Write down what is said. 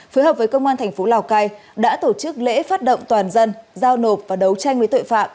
phối hợp với công an thành phố lào cai đã tổ chức lễ phát động toàn dân giao nộp và đấu tranh với tội phạm